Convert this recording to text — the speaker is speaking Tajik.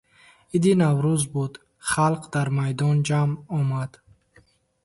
Иди Наврӯз буд, халқ дар майдон ҷамъ омад.